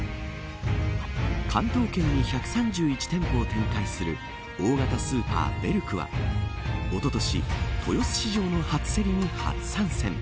関東圏に１３１店舗を展開する大型スーパー、ベルクはおととし豊洲市場の初競りに初参戦。